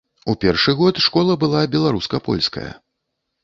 У першы год школа была беларуска-польская.